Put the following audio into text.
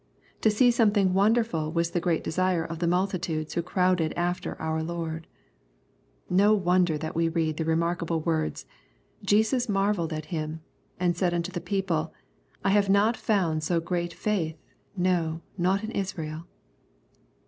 To see something wonderful was the great desire of the multitudes who crowded after our Lord. No wonder that we read the remarkable words, " Jesus marvelled at him," and said unto the people, ^* I have not found so great faith, no, not in Israel."